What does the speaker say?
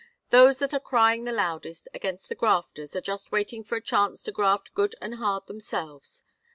Those that are crying the loudest against the grafters are just waiting for a chance to graft good and hard themselves.